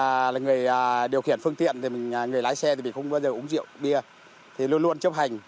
mình là người điều khiển phương tiện thì người lái xe thì không bao giờ uống rượu bia thì luôn luôn chấp hành